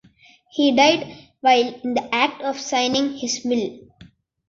He died while in the act of signing his will.